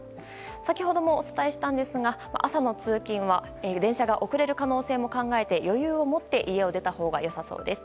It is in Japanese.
先ほども、お伝えしましたが朝の通勤は電車が遅れる可能性も考えて余裕を持って家を出たほうが良さそうです。